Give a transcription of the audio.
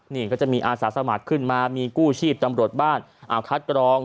นี่ก็จะมีอาสาสมัครขึ้นมามีกู้ชีพตำรวจบ้านคัดกรอง